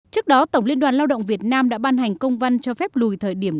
trước đó tổng liên đoàn lao động việt nam đã ban hành công văn cho phép lùi thời điểm